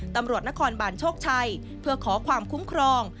ตำรวจนครบาลโชคชัยเพื่อขอความคุ้มครอง